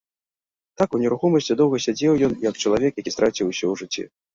Так у нерухомасці доўга сядзеў ён, як чалавек, які страціў усё ў жыцці.